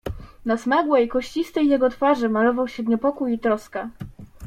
"Na smagłej, kościstej jego twarzy malował się niepokój i troska."